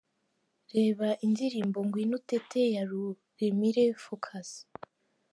Reba indirimbo ’Ngwino Utete’ ya Ruremire Focus.